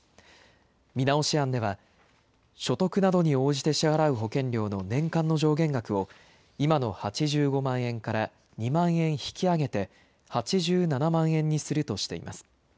見直し案では、所得などに応じて支払う保険料の年間の上限額を、今の８５万円から２万円引き上げて、８７万円にするとしています。